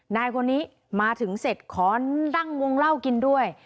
นายคนนี้มาถึงเสร็จขอนั่งวงเล่ากินด้วย